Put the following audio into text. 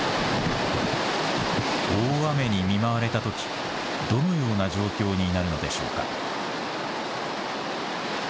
大雨に見舞われたときどのような状況になるのでしょうか。